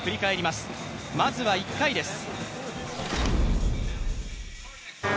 まずは１回です。